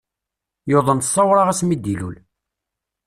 Yuḍen sawraɣ ass mi d-ilul.